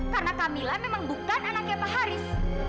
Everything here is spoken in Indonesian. karena kamila memang bukan anaknya pak haris